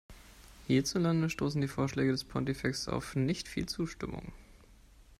Hierzulande stoßen die Vorschläge des Pontifex auf nicht viel Zustimmung.